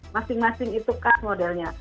masing masing itu khas modelnya